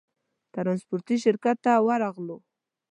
ترانسپورټي شرکت ته ورغلو.